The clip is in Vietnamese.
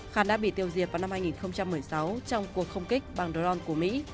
khan đã bị tiêu diệt vào năm hai nghìn một mươi sáu trong cuộc không kích bằng dron của mỹ